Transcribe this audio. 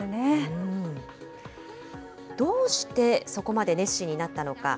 どうしてそこまで熱心になったのか。